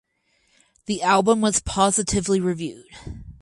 The album was positively reviewed.